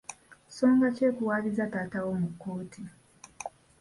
Nsonga ki ekuwaabizza taata wo mu kkooti?